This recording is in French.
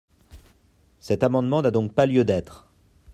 Cet amendement n’a donc pas lieu d’être.